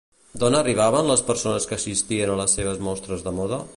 D'on arribaven les persones que assistien a les seves mostres de moda?